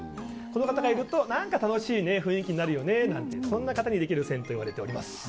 この方がいると何か楽しい雰囲気になるよねなんていうそんな方にできる線といわれております。